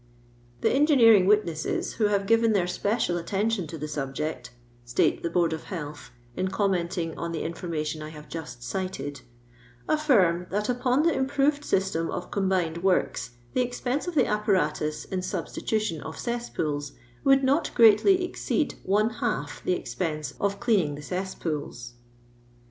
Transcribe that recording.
"The engineering witnesses who have given their special attention to the subjecC atate the Board of Health, in commenting on the infor^ niatiou I have just cited, " affirm that upon the improved system of combined works the expense of the apparatus in substitution of cesspools would not greatly exceed one ha/f the ezpenn of cleaning the cesspools."